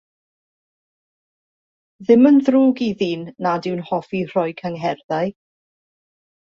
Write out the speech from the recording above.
Ddim yn ddrwg i ddyn nad yw'n hoffi rhoi cyngherddau.